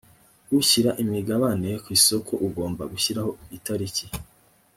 ushyira imigabane ku isoko agomba gushyiraho itariki